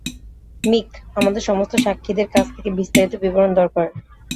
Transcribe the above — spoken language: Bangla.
মিক, আমাদের সমস্ত সাক্ষীদের কাছ থেকে বিস্তারিত বিবরণ দরকার।